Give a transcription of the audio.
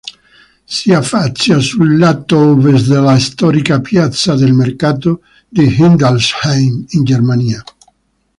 Si affaccia sul lato ovest della storica Piazza del Mercato di Hildesheim, in Germania.